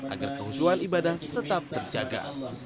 agar kehusuan ibadah tetap terjaga